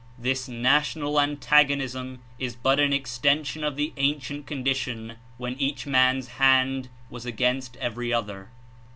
This national antagonism is but an extension of the ancient condition when each man's hand was against every other.